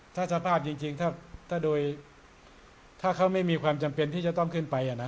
ถ้าสภาพจริงถ้าโดยถ้าเขาไม่มีความจำเป็นที่จะต้องขึ้นไป